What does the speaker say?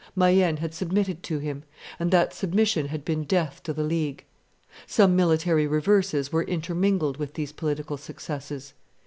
Mayenne had submitted to him, and that submission had been death to the League. Some military reverses were intermingled with these political successes.